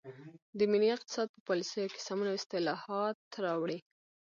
د ملي اقتصاد په پالیسیو کې سمون او اصلاحات راوړي.